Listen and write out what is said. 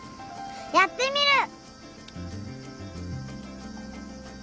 やってみる！